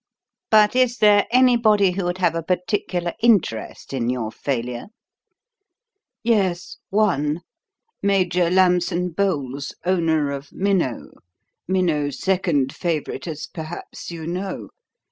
But is there anybody who would have a particular interest in your failure?" "Yes one. Major Lambson Bowles, owner of Minnow. Minnow's second favourite, as perhaps you know.